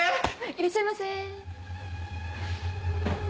いらっしゃいませ。